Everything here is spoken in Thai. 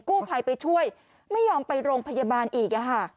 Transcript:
กู้ภัยไปช่วยไม่ยอมไปโรงพยาบาลอีก